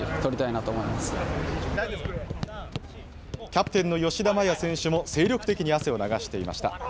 キャプテンの吉田麻也選手も精力的に汗を流していました。